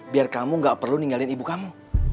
biar kamu gak perlu ninggalin ibu kamu